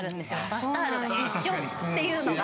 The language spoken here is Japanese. バスタオルが一緒っていうのが。